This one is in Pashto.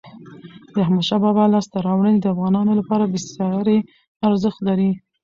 د احمد شاه بابا لاسته راوړني د افغانانو لپاره بېساری ارزښت لري.